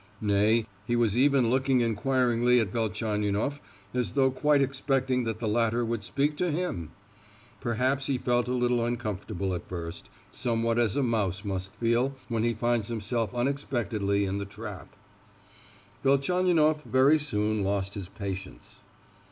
Nay, he was even looking enquiringly at Velchaninoff as though quite expecting that the latter would speak to him! Perhaps he felt a little uncomfortable at first, somewhat as a mouse must feel when he finds himself unexpectedly in the trap. Velchaninoff very soon lost his patience.